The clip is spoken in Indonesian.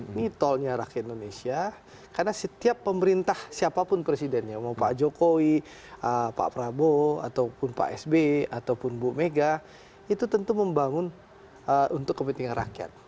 ini tolnya rakyat indonesia karena setiap pemerintah siapapun presidennya mau pak jokowi pak prabowo ataupun pak sb ataupun bu mega itu tentu membangun untuk kepentingan rakyat